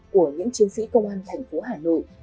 của những chiến sĩ công an thành phố hà nội